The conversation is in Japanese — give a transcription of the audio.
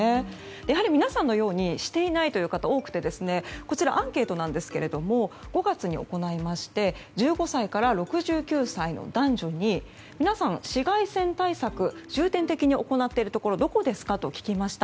やはり皆さんのようにしていないという方が多くてこちら、アンケートなんですが５月に行いまして１５歳から６９歳の男女に皆さん、紫外線対策重点的に行っているところどこですかと聞きました。